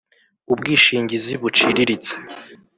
ubwishingizi buciriritse